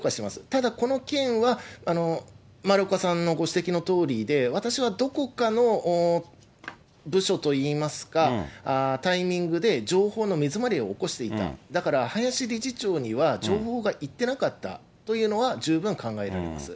ただこの件は、丸岡さんのご指摘のとおりで、私はどこかの部署といいますか、タイミングで情報の目詰まりを起こしていた、だから林理事長には、情報がいっていなかったというのが十分考えられます。